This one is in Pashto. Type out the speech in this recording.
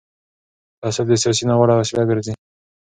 تعصب د سیاست ناوړه وسیله ګرځي